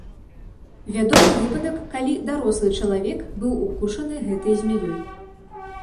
Вядомы выпадак, калі дарослы чалавек быў укушаны гэтай змяёй.